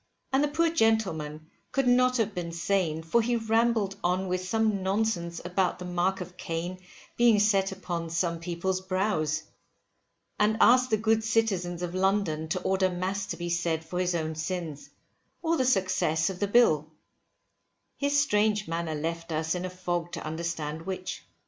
And the poor gentleman could not have been sane for he rambled on with some nonsense about the mark of Cain being set upon some people's brows; and asked the good citizens of London to order mass to be said for his own sins, or the success of the Bill; his strange manner left us in a fog to understand which.